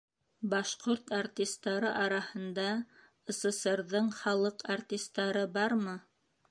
Башҡорт артистары араһында СССР-ҙың халыҡ артистары бармы?